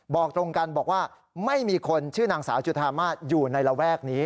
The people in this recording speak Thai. บอกตรงกันบอกว่าไม่มีคนชื่อนางสาวจุธามาศอยู่ในระแวกนี้